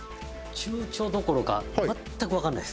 ちゅうちょどころか全く分からない。